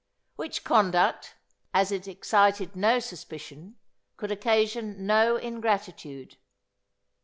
Which conduct, as it excited no suspicion, could occasion no ingratitude.